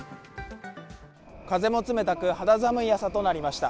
風も冷たく、肌寒い朝となりました。